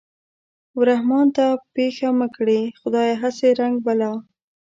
و رحمان ته پېښه مه کړې خدايه هسې رنگ بلا